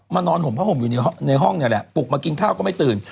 นอนห่มผ้าห่มอยู่ในห้องนี่แหละปลุกมากินข้าวก็ไม่ตื่น